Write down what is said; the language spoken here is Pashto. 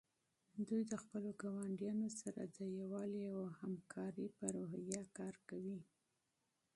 دوی د خپلو ګاونډیانو سره د یووالي او همکارۍ په روحیه کار کوي.